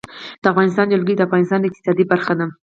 د افغانستان جلکو د افغانستان د اقتصاد برخه ده.